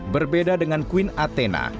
berbeda dengan queen athena